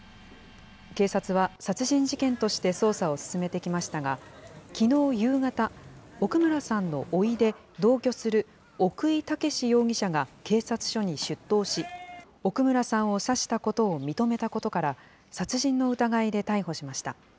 警察は殺人事件として捜査を進めてきましたが、きのう夕方、奥村さんのおいで、同居する奥井剛容疑者が警察署に出頭し、奥村さんを刺したことを認めたことから、殺人の疑いで逮捕しました。